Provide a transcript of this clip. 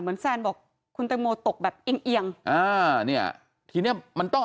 เหมือนแฟนบอกคุณแตงโมตกแบบเอียงเอียงอ่าเนี่ยทีเนี้ยมันต้อง